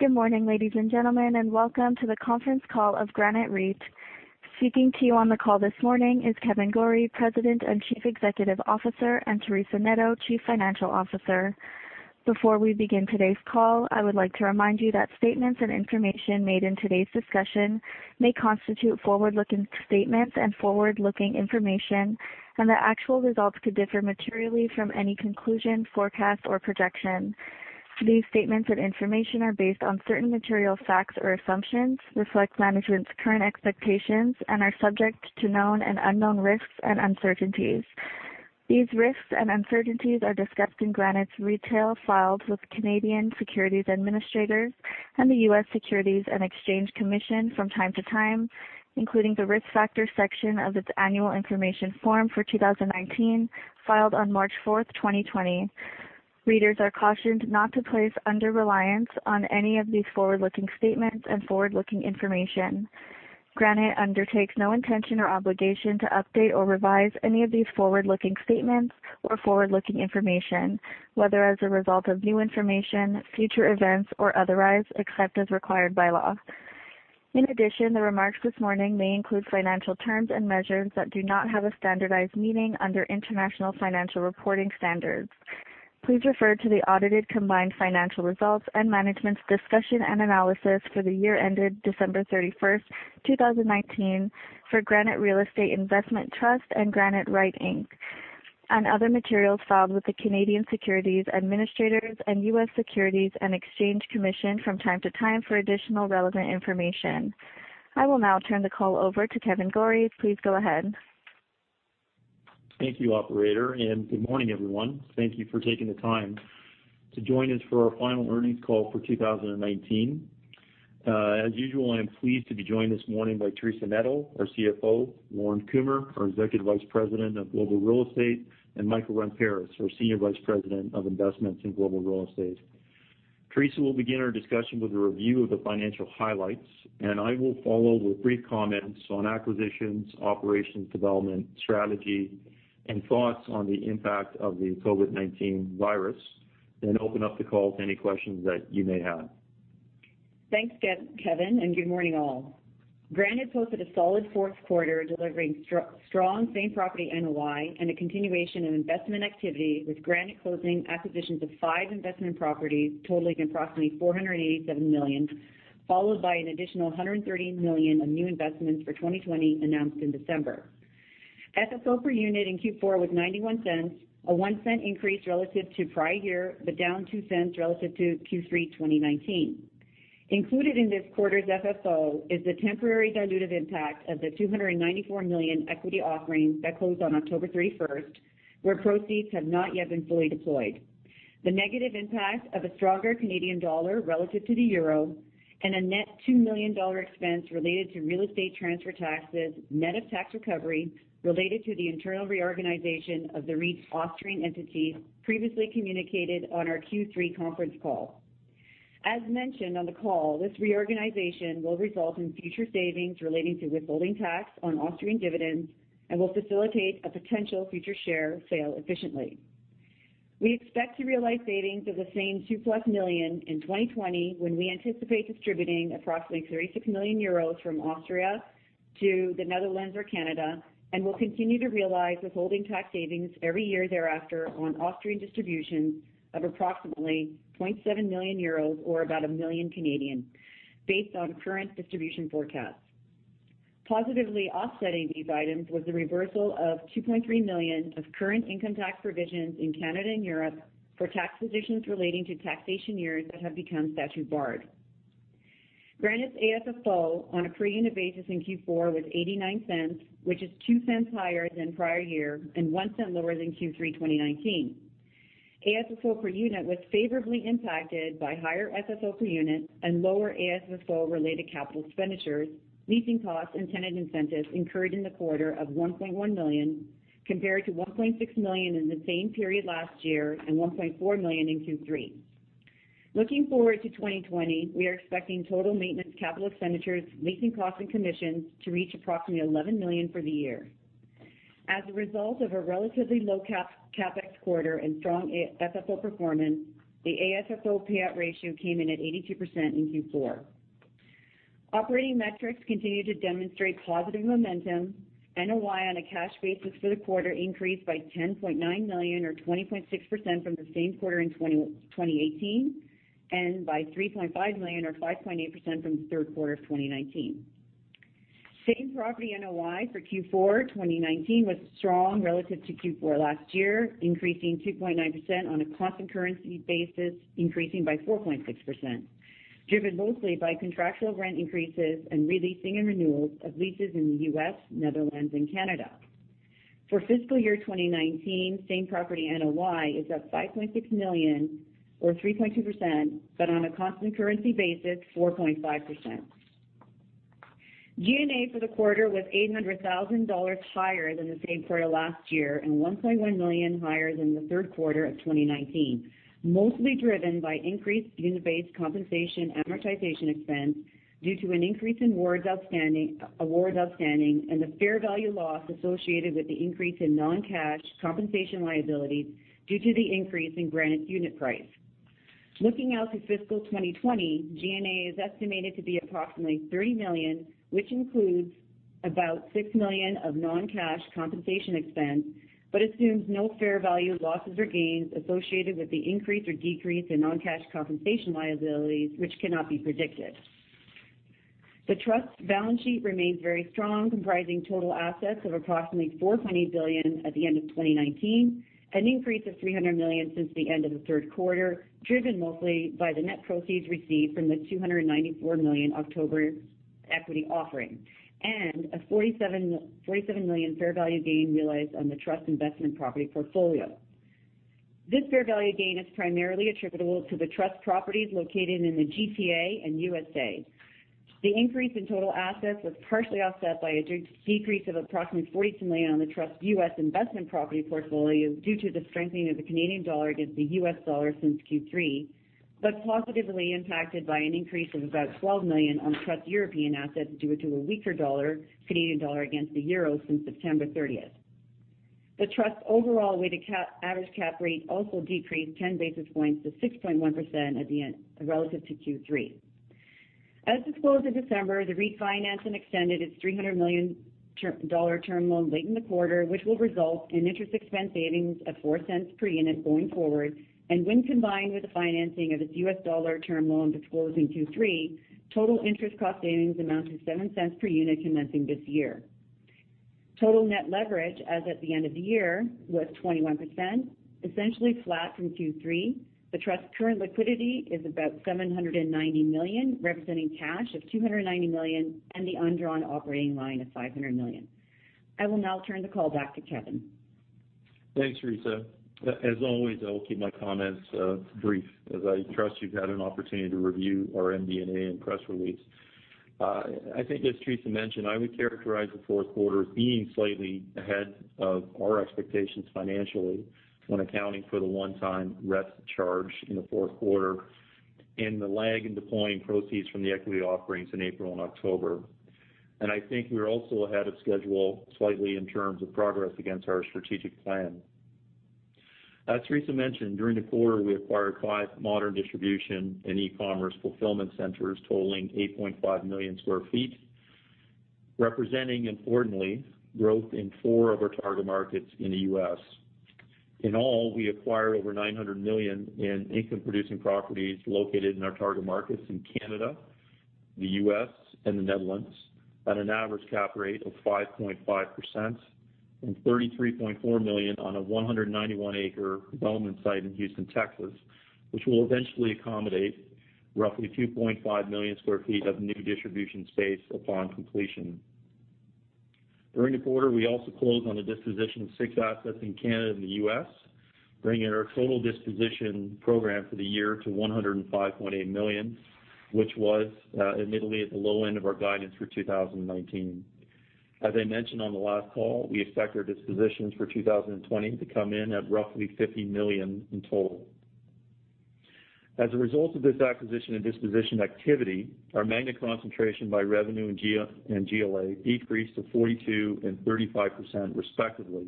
Good morning, ladies and gentlemen, welcome to the conference call of Granite REIT. Speaking to you on the call this morning is Kevan Gorrie, President and Chief Executive Officer, and Teresa Neto, Chief Financial Officer. Before we begin today's call, I would like to remind you that statements and information made in today's discussion may constitute forward-looking statements and forward-looking information, and that actual results could differ materially from any conclusion, forecast or projection. These statements and information are based on certain material facts or assumptions, reflect management's current expectations, and are subject to known and unknown risks and uncertainties. These risks and uncertainties are discussed in Granite's regulatory filings with Canadian securities administrators and the U.S. Securities and Exchange Commission from time to time, including the Risk Factors section of its Annual Information Form for 2019, filed on March 4th, 2020. Readers are cautioned not to place reliance on any of these forward-looking statements and forward-looking information. Granite undertakes no intention or obligation to update or revise any of these forward-looking statements or forward-looking information, whether as a result of new information, future events, or otherwise, except as required by law. In addition, the remarks this morning may include financial terms and measures that do not have a standardized meaning under international financial reporting standards. Please refer to the audited combined financial results and management's discussion and analysis for the year ended December 31st, 2019, for Granite Real Estate Investment Trust and Granite REIT Inc., and other materials filed with the Canadian securities administrators and U.S. Securities and Exchange Commission from time-to-time for additional relevant information. I will now turn the call over to Kevan Gorrie. Please go ahead. Thank you, operator. Good morning, everyone. Thank you for taking the time to join us for our final earnings call for 2019. As usual, I am pleased to be joined this morning by Teresa Neto, our CFO, Lorne Kumer, our Executive Vice President of Global Real Estate, and Michael Ramparas, our Senior Vice President of Investments in Global Real Estate. Teresa will begin our discussion with a review of the financial highlights, and I will follow with brief comments on acquisitions, operations, development, strategy, and thoughts on the impact of the COVID-19 virus, then open up the call to any questions that you may have. Thanks, Kevan, and good morning all. Granite posted a solid fourth quarter, delivering strong same property NOI and a continuation of investment activity, with Granite closing acquisitions of five investment properties totaling approximately 487 million, followed by an additional 130 million of new investments for 2020 announced in December. FFO per unit in Q4 was 0.91, a 0.01 increase relative to prior year, but down 0.02 relative to Q3 2019. Included in this quarter's FFO is the temporary dilutive impact of the 294 million equity offering that closed on October 31st, where proceeds have not yet been fully deployed, and the negative impact of a stronger Canadian dollar relative to the euro and a net 2 million dollar expense related to real estate transfer taxes, net of tax recovery, related to the internal reorganization of the REIT's Austrian entity previously communicated on our Q3 conference call. As mentioned on the call, this reorganization will result in future savings relating to withholding tax on Austrian dividends and will facilitate a potential future share sale efficiently. We expect to realize savings of the same 2+ million in 2020, when we anticipate distributing approximately 36 million euros from Austria to the Netherlands or Canada, and will continue to realize withholding tax savings every year thereafter on Austrian distributions of approximately 0.7 million euros or about 1 million, based on current distribution forecasts. Positively offsetting these items was the reversal of 2.3 million of current income tax provisions in Canada and Europe for tax positions relating to taxation years that have become statute-barred. Granite's AFFO on a per-unit basis in Q4 was 0.89, which is 0.02 higher than prior year and 0.01 lower than Q3 2019. AFFO per unit was favorably impacted by higher FFO per unit and lower AFFO-related capital expenditures, leasing costs, and tenant incentives incurred in the quarter of 1.1 million, compared to 1.6 million in the same period last year and 1.4 million in Q3. Looking forward to 2020, we are expecting total maintenance, capital expenditures, leasing costs, and commissions to reach approximately 11 million for the year. As a result of a relatively low CapEx quarter and strong FFO performance, the AFFO payout ratio came in at 82% in Q4. Operating metrics continue to demonstrate positive momentum. NOI on a cash basis for the quarter increased by 10.9 million or 20.6% from the same quarter in 2018 and by 3.5 million or 5.8% from the third quarter of 2019. Same property NOI for Q4 2019 was strong relative to Q4 last year, increasing 2.9% on a constant currency basis, increasing by 4.6%, driven mostly by contractual rent increases and re-leasing and renewals of leases in the U.S., Netherlands, and Canada. For fiscal year 2019, same property NOI is up 5.6 million or 3.2%, but on a constant currency basis, 4.5%. G&A for the quarter was 800,000 dollars higher than the same quarter last year, and 1.1 million higher than the third quarter of 2019. Mostly driven by increased unit-based compensation amortization expense due to an increase in awards outstanding, and the fair value loss associated with the increase in non-cash compensation liabilities due to the increase in Granite's unit price. Looking out to fiscal 2020, G&A is estimated to be approximately 3 million, which includes about 6 million of non-cash compensation expense, but assumes no fair value losses or gains associated with the increase or decrease in non-cash compensation liabilities, which cannot be predicted. The trust balance sheet remains very strong, comprising total assets of approximately 420 billion at the end of 2019, an increase of 300 million since the end of the third quarter, driven mostly by the net proceeds received from the 294 million October equity offering, and a 47 million fair value gain realized on the trust investment property portfolio. This fair value gain is primarily attributable to the trust properties located in the GTA and U.S.A. The increase in total assets was partially offset by a decrease of approximately 47 million on the trust's U.S. investment property portfolio due to the strengthening of the Canadian dollar against the US dollar since Q3, but positively impacted by an increase of about 12 million on trust European assets due to a weaker Canadian dollar against the EUR since September 30th. The trust's overall weighted average cap rate also decreased 10 basis points to 6.1% relative to Q3. As disclosed in December, the refinance and extended its 300 million dollar term loan late in the quarter, which will result in interest expense savings of 0.04 per unit going forward. When combined with the financing of its US dollar term loan disclosed in Q3, total interest cost savings amount to 0.07 per unit commencing this year. Total net leverage as at the end of the year was 21%, essentially flat from Q3. The trust's current liquidity is about 790 million, representing cash of 290 million and the undrawn operating line of 500 million. I will now turn the call back to Kevan. Thanks, Teresa. As always, I will keep my comments brief, as I trust you've had an opportunity to review our MD&A and press release. I think as Teresa mentioned, I would characterize the fourth quarter as being slightly ahead of our expectations financially when accounting for the one-time REIT charge in the fourth quarter, and the lag in deploying proceeds from the equity offerings in April and October. I think we are also ahead of schedule slightly in terms of progress against our strategic plan. As Teresa mentioned, during the quarter, we acquired five modern distribution and e-commerce fulfillment centers totaling 8.5 million square feet, representing importantly, growth in four of our target markets in the U.S. In all, we acquired over 900 million in income-producing properties located in our target markets in Canada, the U.S., and the Netherlands, at an average cap rate of 5.5%, and 33.4 million on a 191 acre development site in Houston, Texas, which will eventually accommodate roughly 2.5 million square feet of new distribution space upon completion. During the quarter, we also closed on the disposition of six assets in Canada and the U.S., bringing our total disposition program for the year to 105.8 million, which was admittedly at the low end of our guidance for 2019. As I mentioned on the last call, we expect our dispositions for 2020 to come in at roughly 50 million in total. As a result of this acquisition and disposition activity, our Magna concentration by revenue and GLA decreased to 42% and 35% respectively,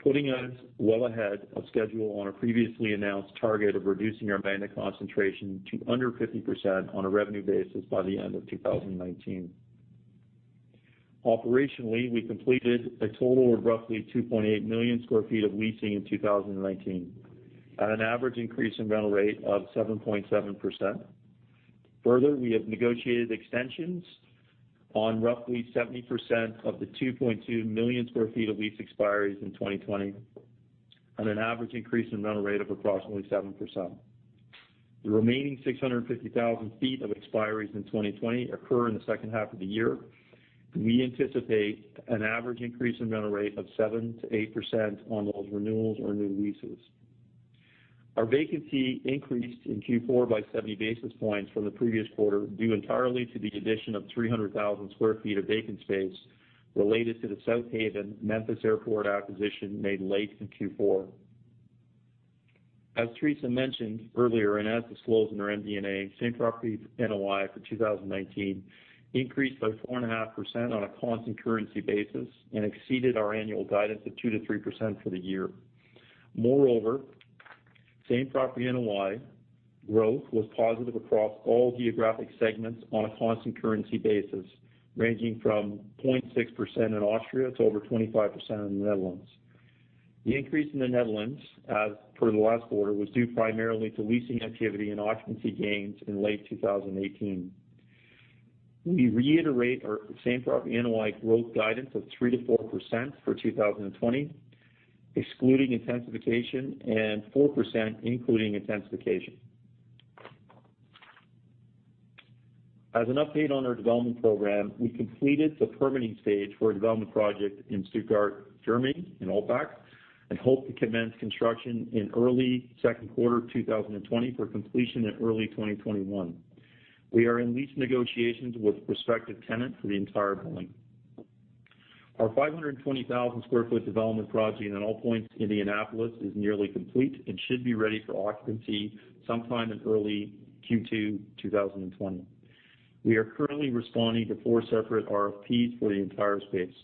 putting us well ahead of schedule on a previously announced target of reducing our Magna concentration to under 50% on a revenue basis by the end of 2019. Operationally, we completed a total of roughly 2.8 million square feet of leasing in 2019 at an average increase in rental rate of 7.7%. Further, we have negotiated extensions on roughly 70% of the 2.2 million square feet of lease expiries in 2020, at an average increase in rental rate of approximately 7%. The remaining 650,000 sq ft of expiries in 2020 occur in the second half of the year. We anticipate an average increase in rental rate of 7%-8% on those renewals or new leases. Our vacancy increased in Q4 by 70 basis points from the previous quarter, due entirely to the addition of 300,000 sq ft of vacant space related to the Southaven Memphis International Airport acquisition made late in Q4. As Teresa mentioned earlier, as disclosed in our MD&A, Same Property NOI for 2019 increased by 4.5% on a constant currency basis and exceeded our annual guidance of 2%-3% for the year. Same Property NOI growth was positive across all geographic segments on a constant currency basis, ranging from 0.6% in Austria to over 25% in the Netherlands. The increase in the Netherlands, as per the last quarter, was due primarily to leasing activity and occupancy gains in late 2018. We reiterate our Same Property NOI growth guidance of 3%-4% for 2020, excluding intensification, and 4% including intensification. As an update on our development program, we completed the permitting stage for a development project in Stuttgart, Germany, in Altbach, and hope to commence construction in early second quarter 2020 for completion in early 2021. We are in lease negotiations with a prospective tenant for the entire building. Our 520,000 sq ft development project in AllPoints, Indianapolis, is nearly complete and should be ready for occupancy sometime in early Q2 2020. We are currently responding to four separate RFPs for the entire space.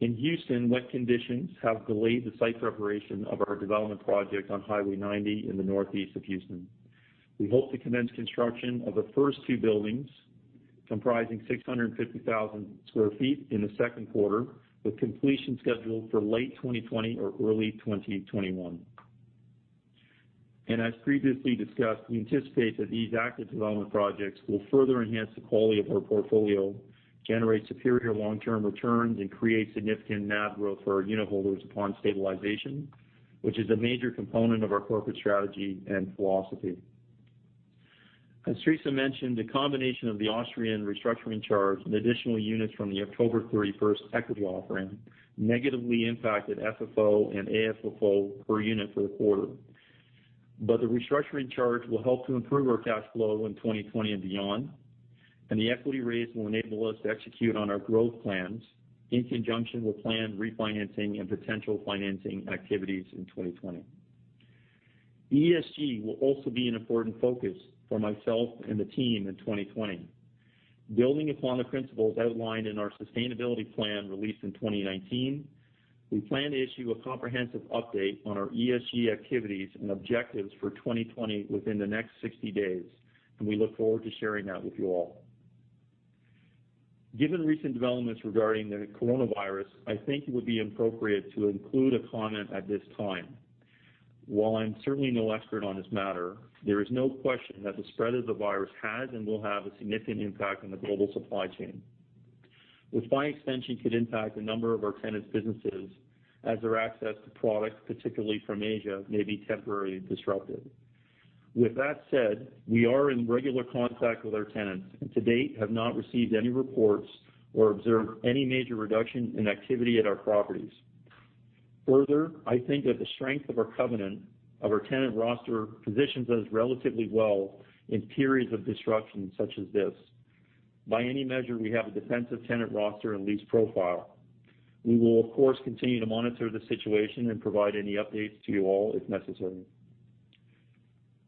In Houston, wet conditions have delayed the site preparation of our development project on Highway 90 in the northeast of Houston. We hope to commence construction of the first two buildings, comprising 650,000 sq ft, in the second quarter, with completion scheduled for late 2020 or early 2021. As previously discussed, we anticipate that these active development projects will further enhance the quality of our portfolio, generate superior long-term returns, and create significant NAV growth for our unitholders upon stabilization, which is a major component of our corporate strategy and philosophy. As Teresa mentioned, the combination of the Austrian restructuring charge and additional units from the October 31st equity offering negatively impacted FFO and AFFO per unit for the quarter. The restructuring charge will help to improve our cash flow in 2020 and beyond. The equity raise will enable us to execute on our growth plans in conjunction with planned refinancing and potential financing activities in 2020. ESG will also be an important focus for myself and the team in 2020. Building upon the principles outlined in our sustainability plan released in 2019, we plan to issue a comprehensive update on our ESG activities and objectives for 2020 within the next 60 days. We look forward to sharing that with you all. Given recent developments regarding the COVID-19, I think it would be appropriate to include a comment at this time. While I'm certainly no expert on this matter, there is no question that the spread of the virus has and will have a significant impact on the global supply chain, which by extension could impact a number of our tenants' businesses as their access to product, particularly from Asia, may be temporarily disrupted. With that said, we are in regular contact with our tenants and to date have not received any reports or observed any major reduction in activity at our properties. Further, I think that the strength of our covenant of our tenant roster positions us relatively well in periods of disruption such as this. By any measure, we have a defensive tenant roster and lease profile. We will, of course, continue to monitor the situation and provide any updates to you all if necessary.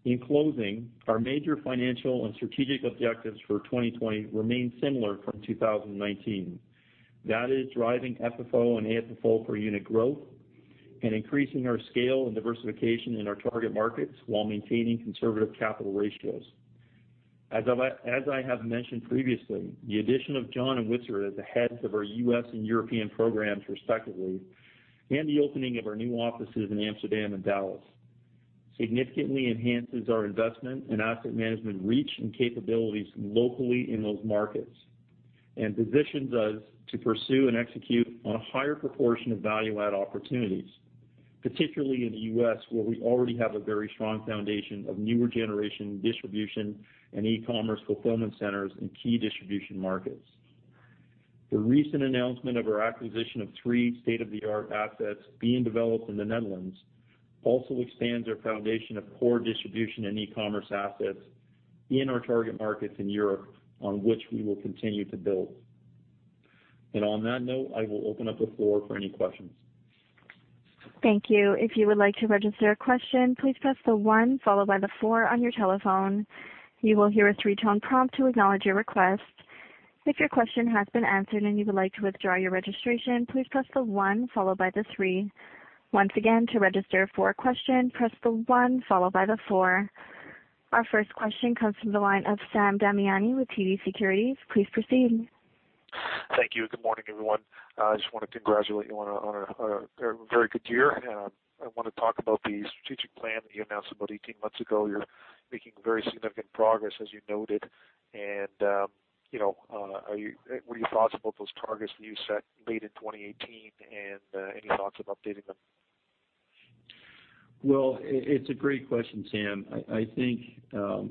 In closing, our major financial and strategic objectives for 2020 remain similar from 2019. That is driving FFO and AFFO per unit growth and increasing our scale and diversification in our target markets while maintaining conservative capital ratios. As I have mentioned previously, the addition of Jon and Witsard as the heads of our U.S. and European programs respectively, the opening of our new offices in Amsterdam and Dallas significantly enhances our investment and asset management reach and capabilities locally in those markets and positions us to pursue and execute on a higher proportion of value-add opportunities, particularly in the U.S., where we already have a very strong foundation of newer generation distribution and e-commerce fulfillment centers in key distribution markets. The recent announcement of our acquisition of three state-of-the-art assets being developed in the Netherlands also expands our foundation of core distribution and e-commerce assets in our target markets in Europe on which we will continue to build. On that note, I will open up the floor for any questions. Thank you. If you would like to register a question, please press the one followed by the four on your telephone. You will hear a three-tone prompt to acknowledge your request. If your question has been answered and you would like to withdraw your registration, please press the one followed by the three. Once again, to register for a question, press the one followed by the four. Our first question comes from the line of Sam Damiani with TD Securities. Please proceed. Thank you. Good morning, everyone. I just want to congratulate you on a very good year. I want to talk about the strategic plan that you announced about 18 months ago. You're making very significant progress, as you noted. What are your thoughts about those targets that you set late in 2018, and any thoughts of updating them? It's a great question, Sam. I think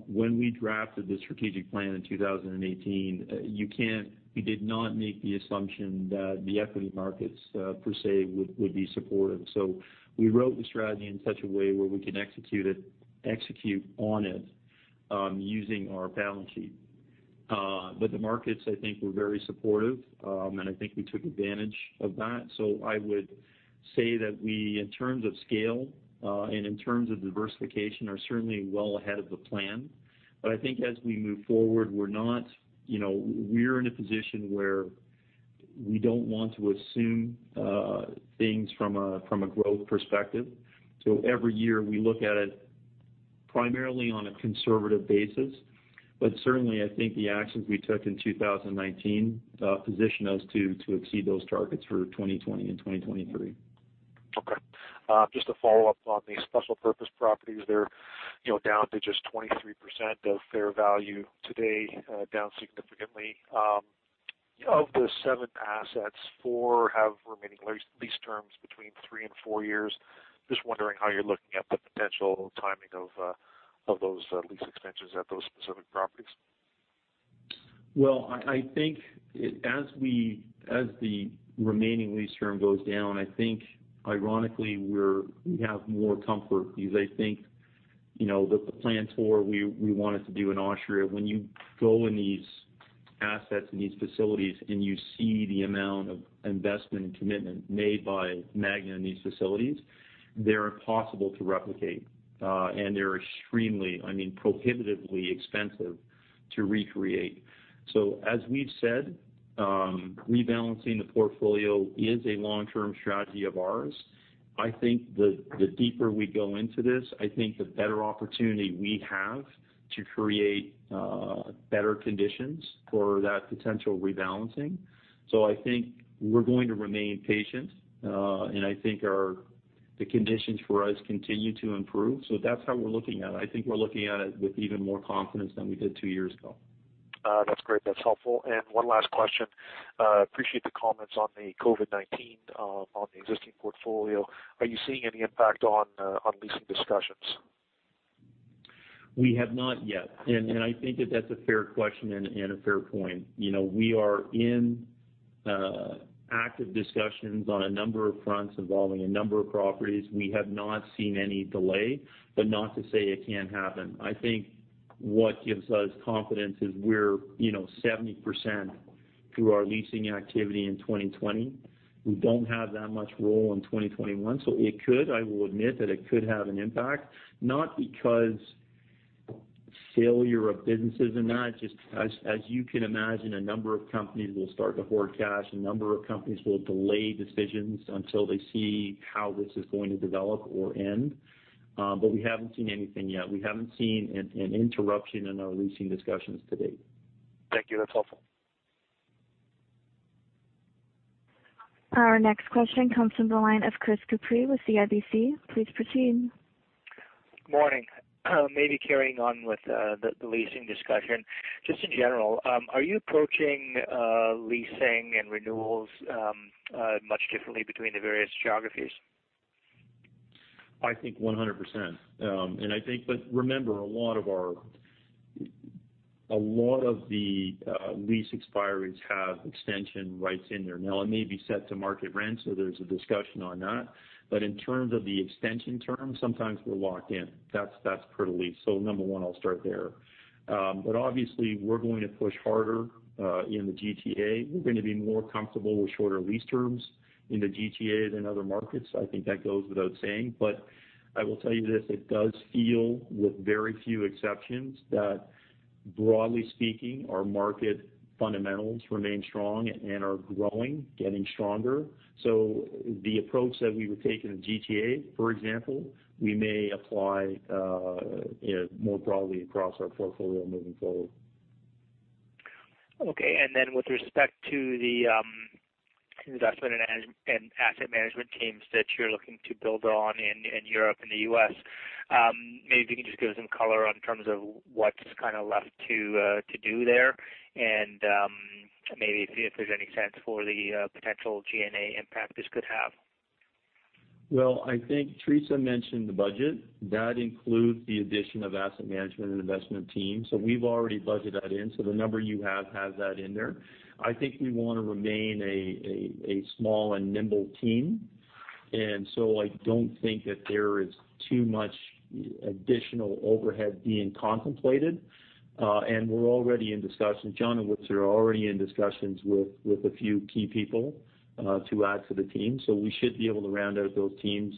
when we drafted the strategic plan in 2018, we did not make the assumption that the equity markets per se would be supportive. We wrote the strategy in such a way where we can execute on it using our balance sheet. The markets, I think, were very supportive. I think we took advantage of that. I would say that we, in terms of scale, and in terms of diversification, are certainly well ahead of the plan. I think as we move forward, we're in a position where we don't want to assume things from a growth perspective. Every year, we look at it primarily on a conservative basis. Certainly, I think the actions we took in 2019 position us to exceed those targets for 2020 and 2023. Okay. Just to follow up on the special purpose properties, they're down to just 23% of fair value today, down significantly. Of the seven assets, four have remaining lease terms between three and four years. Just wondering how you're looking at the potential timing of those lease extensions at those specific properties. Well, I think as the remaining lease term goes down, I think ironically, we have more comfort because I think the plan for we wanted to do in Austria. When you go in these assets, in these facilities, and you see the amount of investment and commitment made by Magna in these facilities, they're impossible to replicate. They're extremely, prohibitively expensive to recreate. As we've said, rebalancing the portfolio is a long-term strategy of ours. I think the deeper we go into this, I think the better opportunity we have to create better conditions for that potential rebalancing. I think we're going to remain patient, and I think the conditions for us continue to improve. That's how we're looking at it. I think we're looking at it with even more confidence than we did two years ago. That's great. That's helpful. One last question. Appreciate the comments on the COVID-19, on the existing portfolio. Are you seeing any impact on leasing discussions? We have not yet. I think that that's a fair question and a fair point. We are in active discussions on a number of fronts involving a number of properties. We have not seen any delay, not to say it can't happen. I think what gives us confidence is we're 70% through our leasing activity in 2020. We don't have that much roll in 2021. It could, I will admit that it could have an impact, not because failure of businesses and that, just as you can imagine, a number of companies will start to hoard cash. A number of companies will delay decisions until they see how this is going to develop or end. We haven't seen anything yet. We haven't seen an interruption in our leasing discussions to date. Thank you. That's helpful. Our next question comes from the line of Chris Couprie with CIBC. Please proceed. Morning. Maybe carrying on with the leasing discussion. Just in general, are you approaching leasing and renewals much differently between the various geographies? I think 100%. Remember, a lot of the lease expiries have extension rights in there. Now, it may be set to market rent, so there's a discussion on that. In terms of the extension term, sometimes we're locked in. That's per the lease. Number one, I'll start there. Obviously, we're going to push harder, in the GTA. We're going to be more comfortable with shorter lease terms in the GTA than other markets. I think that goes without saying. I will tell you this, it does feel, with very few exceptions, that broadly speaking, our market fundamentals remain strong and are growing, getting stronger. The approach that we would take in the GTA, for example, we may apply more broadly across our portfolio moving forward. Okay. With respect to the investment and asset management teams that you're looking to build on in Europe and the U.S., maybe if you can just give some color on terms of what's kind of left to do there and maybe if there's any sense for the potential G&A impact this could have. I think Teresa mentioned the budget. That includes the addition of asset management and investment teams. We've already budgeted that in. The number you have has that in there. I think we want to remain a small and nimble team. I don't think that there is too much additional overhead being contemplated. We're already in discussions. Jon and Witsard are already in discussions with a few key people, to add to the team. We should be able to round out those teams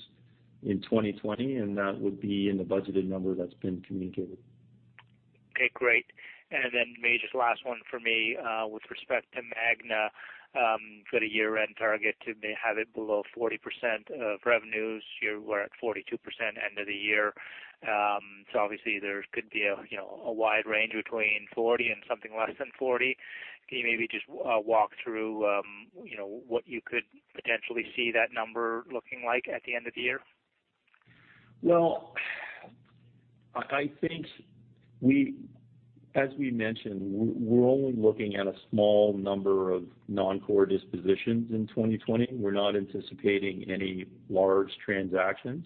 in 2020, and that would be in the budgeted number that's been communicated. Okay, great. Maybe just last one from me, with respect to Magna, you've got a year-end target to have it below 40% of revenues. You were at 42% end of the year. There could be a wide range between 40 and something less than 40. Maybe just walk through what you could potentially see that number looking like at the end of the year? I think, as we mentioned, we're only looking at a small number of non-core dispositions in 2020. We're not anticipating any large transactions.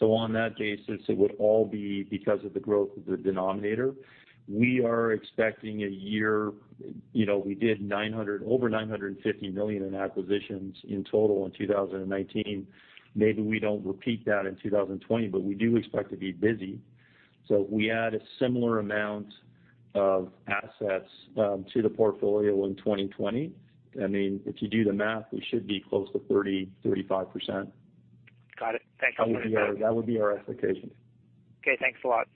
On that basis, it would all be because of the growth of the denominator. We are expecting. We did over 950 million in acquisitions in total in 2019. Maybe we don't repeat that in 2020, but we do expect to be busy. If we add a similar amount of assets to the portfolio in 2020. If you do the math, we should be close to 30%-35%. Got it. Thanks so much. That would be our expectation. Okay, thanks a lot.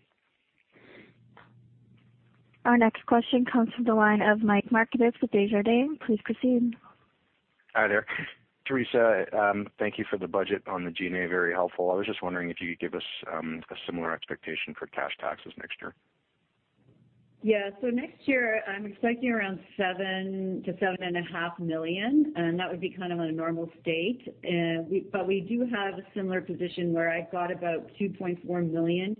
Our next question comes from the line of Mike Markidis with Desjardins. Please proceed. Hi there. Teresa, thank you for the budget on the G&A. Very helpful. I was just wondering if you could give us a similar expectation for cash taxes next year. Yeah. Next year, I'm expecting around 7 million-7.5 million, and that would be kind of a normal state. We do have a similar position where I've got about 2.4 million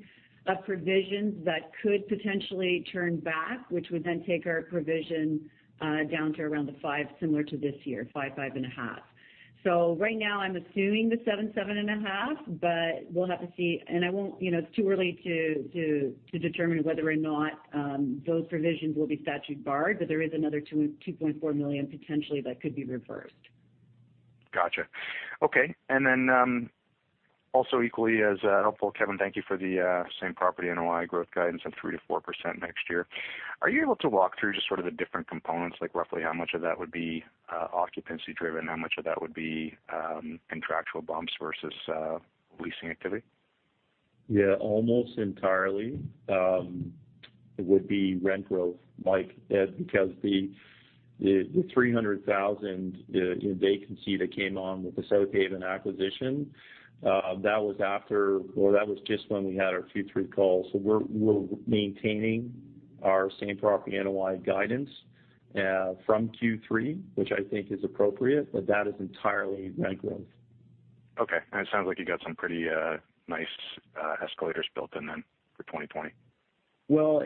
of provisions that could potentially turn back, which would then take our provision down to around 5 million, similar to this year, 5 million-5.5 million. Right now I'm assuming 7 million-7.5 million, but we'll have to see. It's too early to determine whether or not those provisions will be statute barred. There is another 2.4 million potentially that could be reversed. Okay, also equally as helpful, Kevan, thank you for the Same Property NOI growth guidance of 3%-4% next year. Are you able to walk through just sort of the different components, like roughly how much of that would be occupancy-driven, how much of that would be contractual bumps versus leasing activity? Yeah. Almost entirely. It would be rent growth, Mike, because the 300,000 vacancy that came on with the Southaven acquisition, that was just when we had our Q3 call. We're maintaining our Same Property NOI guidance from Q3, which I think is appropriate, but that is entirely rent growth. Okay. It sounds like you got some pretty nice escalators built in then for 2020. Well,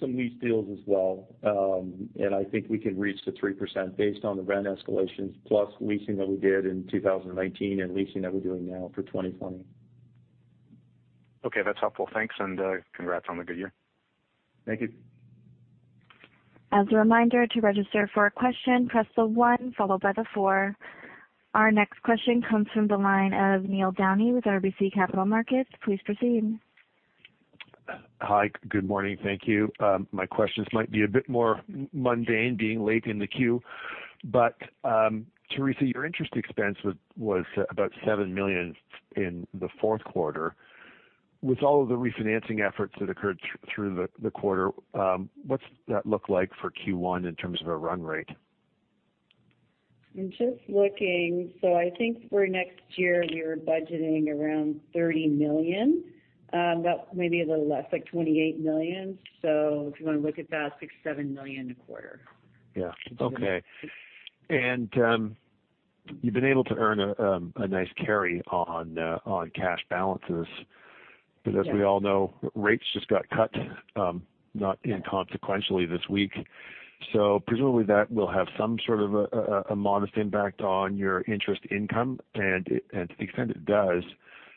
some lease deals as well. I think we can reach the 3% based on the rent escalations plus leasing that we did in 2019 and leasing that we're doing now for 2020. Okay. That's helpful. Thanks, and congrats on the good year. Thank you. As a reminder, to register for a question, press the one followed by the four. Our next question comes from the line of Neil Downey with RBC Capital Markets. Please proceed. Hi. Good morning. Thank you. My questions might be a bit more mundane being late in the queue. Teresa, your interest expense was about 7 million in the fourth quarter. With all of the refinancing efforts that occurred through the quarter, what's that look like for Q1 in terms of a run rate? I'm just looking. I think for next year we are budgeting around 30 million, maybe a little less, like 28 million. If you want to look at that, six, 7 million a quarter. Yeah. Okay. You've been able to earn a nice carry on cash balances. Yes. As we all know, rates just got cut, not inconsequentially this week. Presumably that will have some sort of a modest impact on your interest income, and to the extent it does,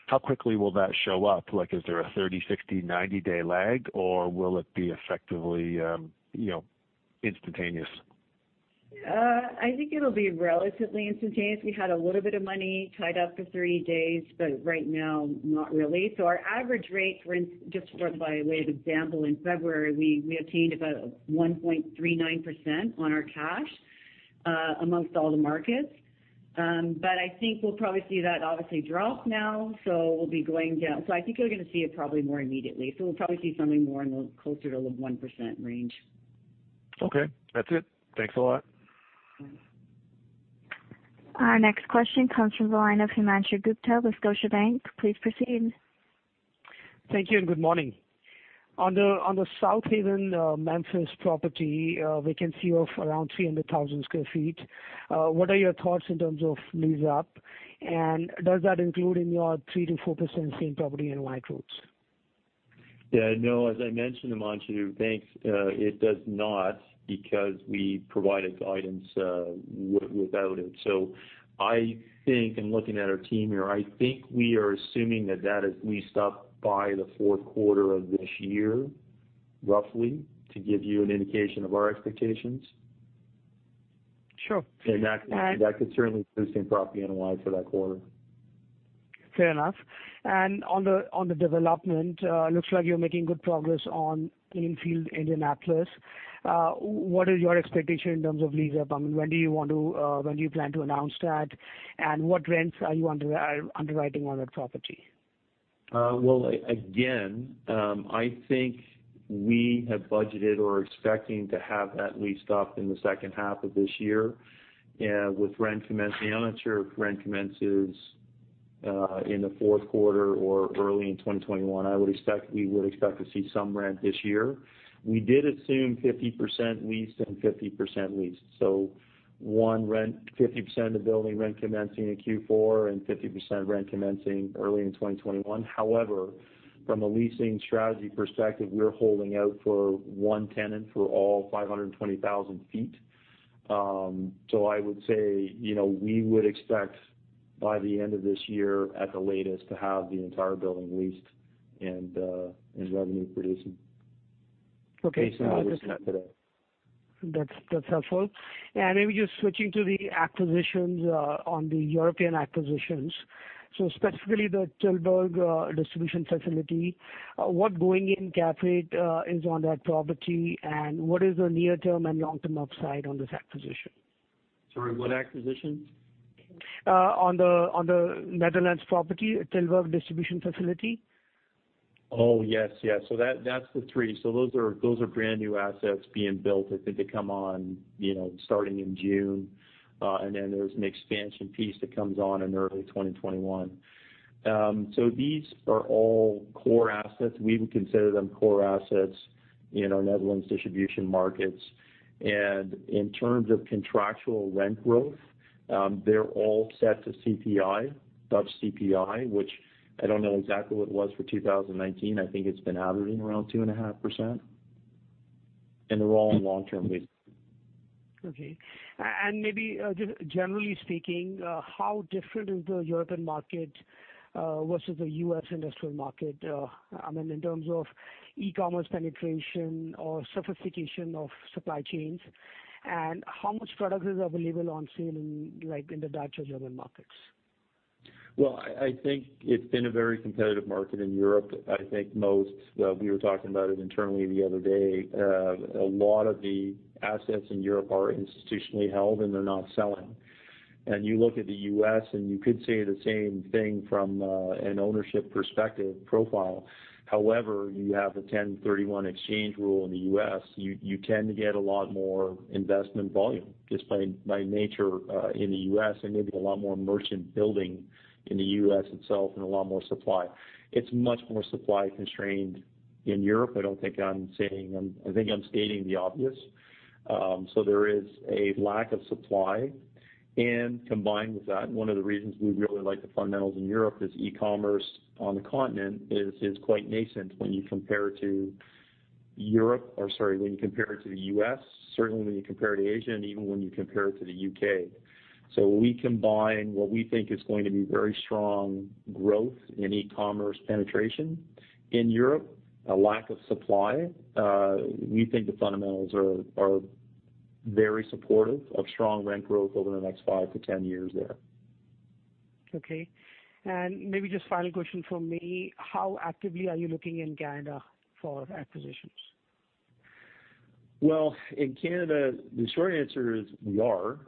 how quickly will that show up? Is there a 30, 60, 90-day lag, or will it be effectively instantaneous? I think it'll be relatively instantaneous. We had a little bit of money tied up for three days, but right now, not really. Our average rate rent, just for, by way of example, in February, we obtained about 1.39% on our cash amongst all the markets. I think we'll probably see that obviously drop now, so we'll be going down. I think you're going to see it probably more immediately. We'll probably see something more closer to the 1% range. Okay. That's it. Thanks a lot. Our next question comes from the line of Himanshu Gupta with Scotiabank. Please proceed. Thank you and good morning. On the Southaven, Memphis property, vacancy of around 300,000 sq ft. What are your thoughts in terms of lease up, and does that include in your 3%-4% Same Property NOI growth? Yeah, no, as I mentioned, Himanshu, thanks. It does not because we provided guidance without it. I think in looking at our team here, I think we are assuming that is leased up by the fourth quarter of this year, roughly, to give you an indication of our expectations. Sure. That could certainly include same property NOI for that quarter. Fair enough. On the development, looks like you're making good progress on Enfield, Indianapolis. What is your expectation in terms of lease up? When do you plan to announce that, and what rents are you underwriting on that property? Well, again, I think we have budgeted or are expecting to have that leased up in the second half of this year. With rent commence, I'm not sure if rent commences in the fourth quarter or early in 2021. We would expect to see some rent this year. We did assume 50% leased and 50% leased. 50% of the building rent commencing in Q4 and 50% rent commencing early in 2021. However, from a leasing strategy perspective, we're holding out for one tenant for all 520,000 sq ft. I would say, we would expect by the end of this year at the latest to have the entire building leased and revenue producing. Okay. Based on what we've got today. That's helpful. Maybe just switching to the acquisitions, on the European acquisitions, specifically the Tilburg distribution facility, what going in cap rate is on that property, and what is the near-term and long-term upside on this acquisition? Sorry, what acquisition? On the Netherlands property, Tilburg distribution facility. Oh, yes. That's the three. Those are brand-new assets being built. I think they come on starting in June. There's an expansion piece that comes on in early 2021. These are all core assets. We would consider them core assets in our Netherlands distribution markets. In terms of contractual rent growth, they're all set to CPI, Dutch CPI, which I don't know exactly what it was for 2019. I think it's been averaging around 2.5%. They're all in long-term leases. Okay. Maybe just generally speaking, how different is the European market versus the U.S. industrial market in terms of e-commerce penetration or sophistication of supply chains? How much product is available on sale in the Dutch or German markets? Well, I think it's been a very competitive market in Europe. We were talking about it internally the other day. A lot of the assets in Europe are institutionally held, and they're not selling. You look at the U.S., and you could say the same thing from an ownership perspective profile. However, you have a 1031 exchange rule in the U.S. You tend to get a lot more investment volume, just by nature, in the U.S., and maybe a lot more merchant building in the U.S. itself and a lot more supply. It's much more supply-constrained in Europe. I think I'm stating the obvious. There is a lack of supply, and combined with that, one of the reasons we really like the fundamentals in Europe is e-commerce on the continent is quite nascent when you compare it to the U.S., certainly when you compare it to Asia, and even when you compare it to the U.K. We combine what we think is going to be very strong growth in e-commerce penetration in Europe, a lack of supply. We think the fundamentals are very supportive of strong rent growth over the next 5-10 years there. Okay. Maybe just final question from me, how actively are you looking in Canada for acquisitions? Well, in Canada, the short answer is we are.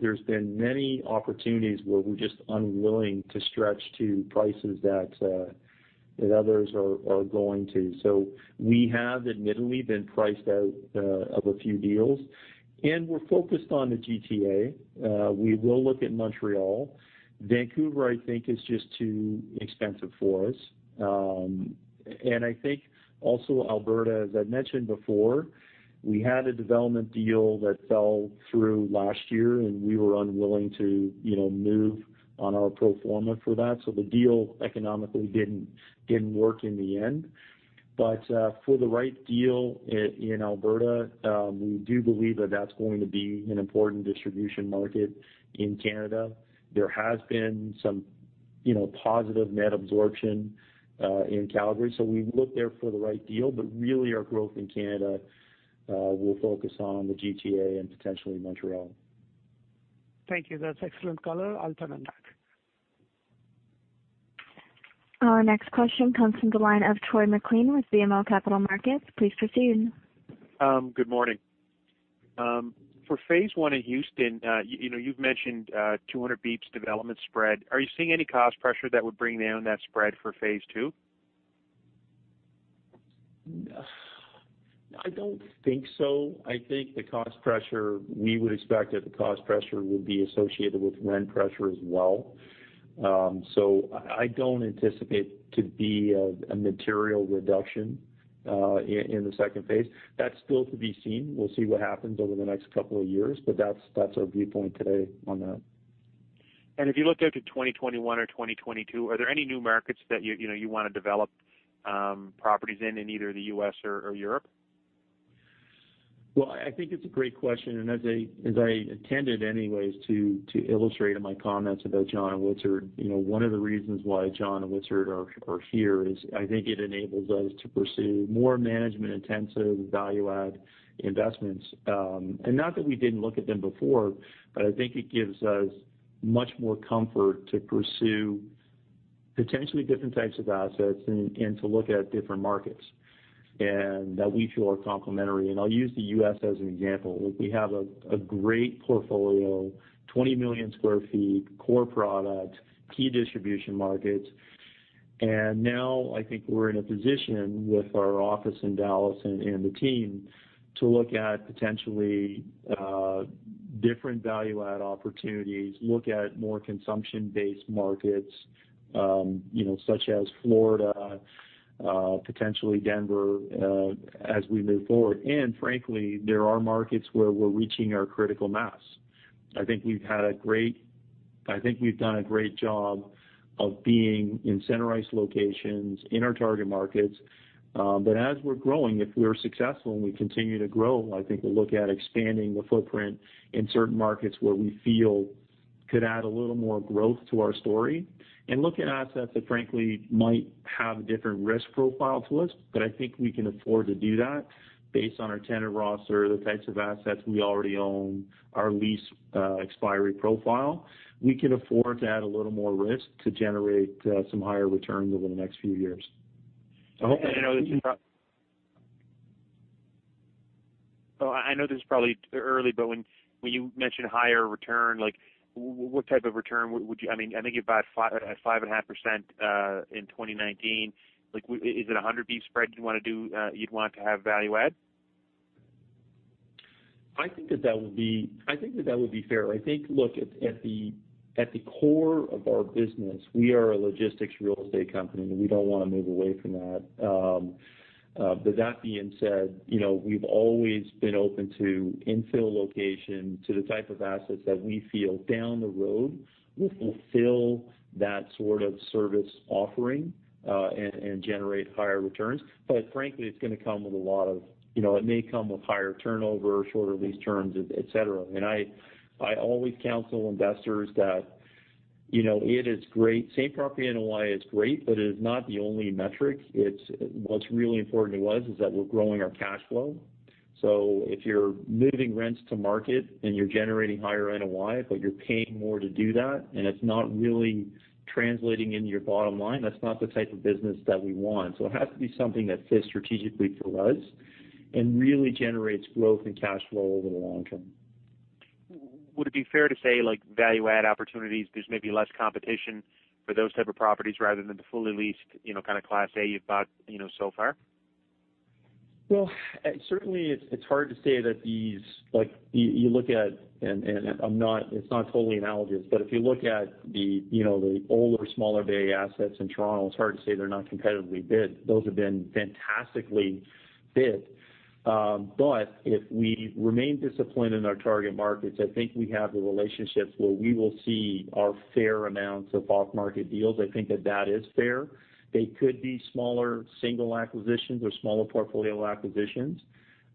There's been many opportunities where we're just unwilling to stretch to prices that others are going to. We have admittedly been priced out of a few deals, and we're focused on the GTA. We will look at Montreal. Vancouver, I think, is just too expensive for us. I think also Alberta, as I mentioned before, we had a development deal that fell through last year, and we were unwilling to move on our pro forma for that. The deal economically didn't work in the end. For the right deal in Alberta, we do believe that that's going to be an important distribution market in Canada. There has been some positive net absorption in Calgary, so we look there for the right deal. Really our growth in Canada will focus on the GTA and potentially Montreal. Thank you. That's excellent color. I'll turn on that. Our next question comes from the line of Troy MacLean with BMO Capital Markets. Please proceed. Good morning. For Phase 1 in Houston, you've mentioned a 200 basis points development spread. Are you seeing any cost pressure that would bring down that spread for Phase 2? I don't think so. We would expect that the cost pressure would be associated with rent pressure as well. I don't anticipate to be a material reduction in the second phase. That's still to be seen. We'll see what happens over the next couple of years, but that's our viewpoint today on that. If you look out to 2021 or 2022, are there any new markets that you want to develop properties in either the U.S. or Europe? Well, I think it's a great question. As I intended anyways to illustrate in my comments about Jon and Richard, one of the reasons why Jon and Richard are here is I think it enables us to pursue more management-intensive value-add investments. Not that we didn't look at them before, but I think it gives us much more comfort to pursue potentially different types of assets, and to look at different markets that we feel are complementary. I'll use the U.S. as an example. We have a great portfolio, 20 million square feet, core product, key distribution markets. Now I think we're in a position with our office in Dallas and the team to look at potentially different value-add opportunities, look at more consumption-based markets such as Florida, potentially Denver, as we move forward. Frankly, there are markets where we're reaching our critical mass. I think we've done a great job of being in centralized locations in our target markets. As we're growing, if we're successful, and we continue to grow, I think we'll look at expanding the footprint in certain markets where we feel could add a little more growth to our story and look at assets that frankly might have a different risk profile to us. I think we can afford to do that based on our tenant roster, the types of assets we already own, our lease expiry profile. We could afford to add a little more risk to generate some higher returns over the next few years. I know this is probably early, but when you mention higher return, what type of return? I think about 5.5% in 2019. Is it a 100 basis points spread you'd want to have value add? I think that that would be fair. Look, at the core of our business, we are a logistics real estate company, and we don't want to move away from that. That being said, we've always been open to infill location, to the type of assets that we feel down the road will fulfill that sort of service offering, and generate higher returns. Frankly, it may come with higher turnover, shorter lease terms, et cetera. I always counsel investors that. It is great. Same-property NOI is great, but it is not the only metric. What's really important to us is that we're growing our cash flow. If you're moving rents to market and you're generating higher NOI, but you're paying more to do that, and it's not really translating into your bottom line, that's not the type of business that we want. It has to be something that fits strategically for us and really generates growth in cash flow over the long term. Would it be fair to say value add opportunities, there's maybe less competition for those type of properties rather than the fully leased, kind of Class A you've bought so far? Well, certainly, it's hard to say that it's not totally analogous, but if you look at the older, smaller bay assets in Toronto, it's hard to say they're not competitively bid. Those have been fantastically bid. If we remain disciplined in our target markets, I think we have the relationships where we will see our fair amounts of off-market deals. I think that that is fair. They could be smaller single acquisitions or smaller portfolio acquisitions.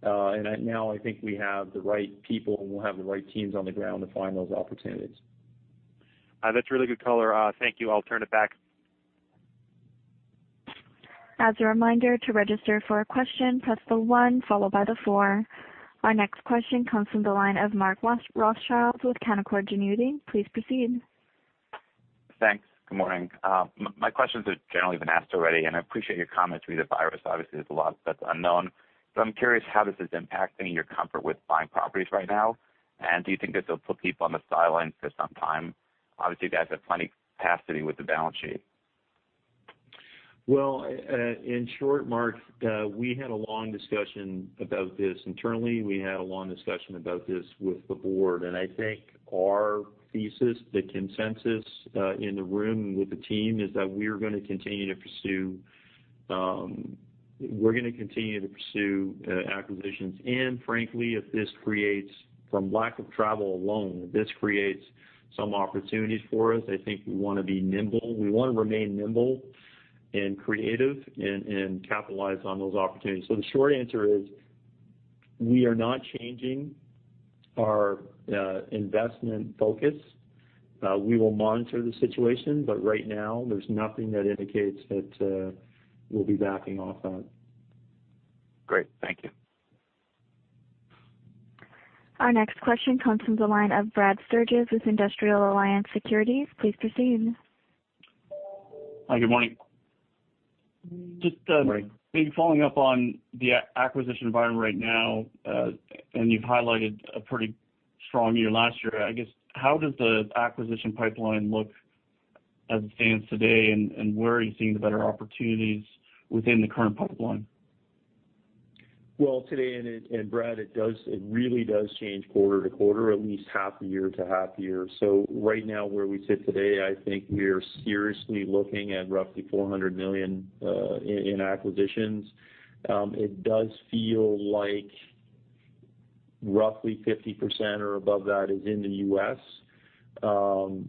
Now I think we have the right people, and we'll have the right teams on the ground to find those opportunities. That's really good color. Thank you. I'll turn it back. As a reminder, to register for a question, press the one followed by the four. Our next question comes from the line of Mark Rothschild with Canaccord Genuity. Please proceed. Thanks. Good morning. My questions have generally been asked already, and I appreciate your comments re: the virus. Obviously, there's a lot that's unknown. I'm curious how this is impacting your comfort with buying properties right now. Do you think this will put people on the sidelines for some time? You guys have plenty capacity with the balance sheet. Well, in short, Mark, we had a long discussion about this internally. We had a long discussion about this with the board. I think our thesis, the consensus in the room with the team, is that we're going to continue to pursue acquisitions. Frankly, from lack of travel alone, this creates some opportunities for us. I think we want to be nimble. We want to remain nimble and creative and capitalize on those opportunities. The short answer is, we are not changing our investment focus. We will monitor the situation. Right now, there's nothing that indicates that we'll be backing off that. Great. Thank you. Our next question comes from the line of Brad Sturges with Industrial Alliance Securities. Please proceed. Hi. Good morning. Morning. Just maybe following up on the acquisition environment right now, you've highlighted a pretty strong year last year. I guess, how does the acquisition pipeline look as it stands today, where are you seeing the better opportunities within the current pipeline? Well, today, Brad, it really does change quarter-to-quarter, at least half-year to half year. Right now, where we sit today, I think we are seriously looking at roughly 400 million in acquisitions. It does feel like roughly 50% or above that is in the U.S.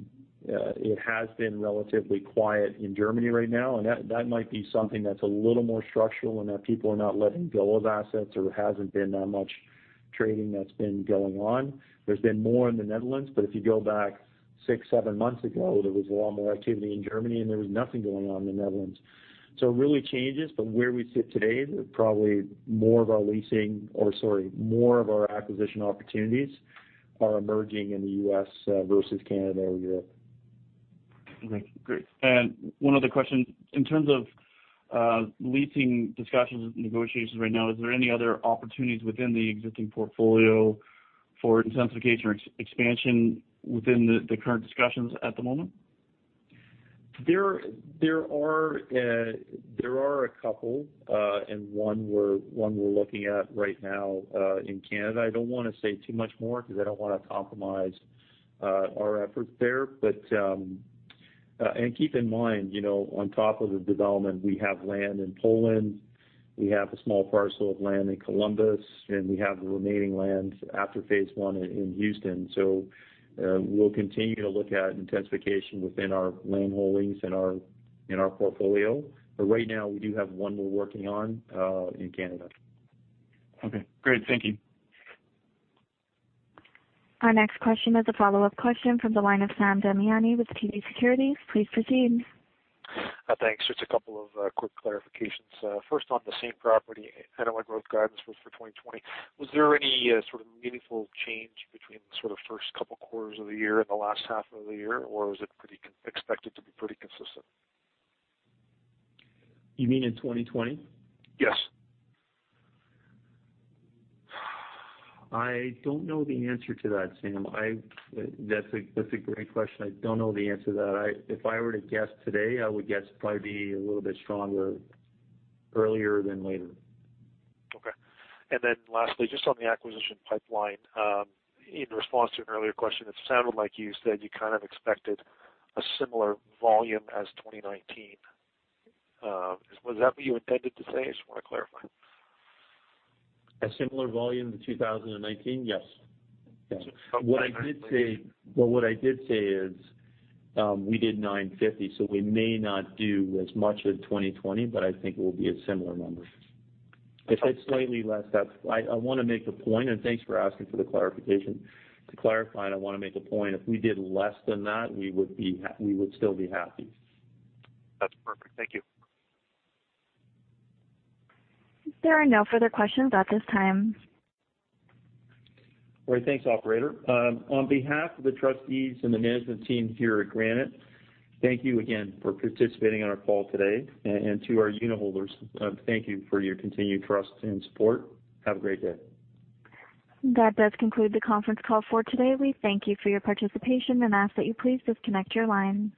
It has been relatively quiet in Germany right now, that might be something that's a little more structural in that people are not letting go of assets, or there hasn't been that much trading that's been going on. There's been more in the Netherlands, if you go back six, seven months ago, there was a lot more activity in Germany, there was nothing going on in the Netherlands. It really changes, but where we sit today, probably or sorry, more of our acquisition opportunities are emerging in the U.S. versus Canada or Europe. Okay. Great. One other question. In terms of leasing discussions and negotiations right now, is there any other opportunities within the existing portfolio for intensification or expansion within the current discussions at the moment? There are a couple. One we're looking at right now in Canada. I don't want to say too much more because I don't want to compromise our efforts there. Keep in mind, on top of the development, we have land in Poland. We have a small parcel of land in Columbus, and we have the remaining land after phase one in Houston. We'll continue to look at intensification within our land holdings in our portfolio. Right now, we do have one we're working on in Canada. Okay, great. Thank you. Our next question is a follow-up question from the line of Sam Damiani with TD Securities. Please proceed. Thanks. Just a couple of quick clarifications. First, on the Same Property NOI growth guidance was for 2020. Was there any sort of meaningful change between the sort of first couple quarters of the year and the last half of the year, or was it expected to be pretty consistent? You mean in 2020? Yes. I don't know the answer to that, Sam. That's a great question. I don't know the answer to that. If I were to guess today, I would guess probably be a little bit stronger earlier than later. Okay. Lastly, just on the acquisition pipeline. In response to an earlier question, it sounded like you said you kind of expected a similar volume as 2019. Was that what you intended to say? I just want to clarify. A similar volume to 2019? Yes. Okay. What I did say is, we did 950, so we may not do as much in 2020, but I think it will be a similar number. If it is slightly less, I want to make a point, and thanks for asking for the clarification. To clarify, and I want to make a point, if we did less than that, we would still be happy. That's perfect. Thank you. There are no further questions at this time. All right. Thanks, operator. On behalf of the trustees and the management team here at Granite, thank you again for participating on our call today. To our unitholders, thank you for your continued trust and support. Have a great day. That does conclude the conference call for today. We thank you for your participation and ask that you please disconnect your lines.